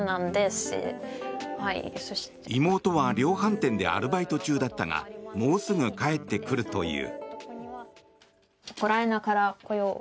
妹は量販店でアルバイト中だったがもうすぐ帰ってくるという。